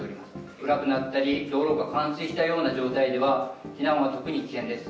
暗くなったり、道路が冠水したような状態では、避難は特に危険です。